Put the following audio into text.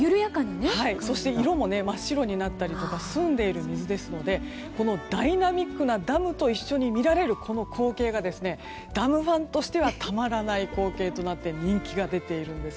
そして色も真っ白になったりとか澄んでいる水ですのでダイナミックなダムと一緒に見られるこの光景がダムファンとしてはたまらない光景となって人気が出ているんです。